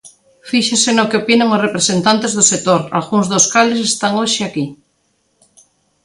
Fíxese no que opinan os representantes do sector, algúns dos cales están hoxe aquí.